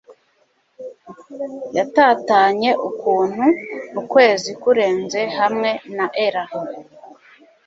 yatatanye ukuntu ukwezi kurenze hamwe na ella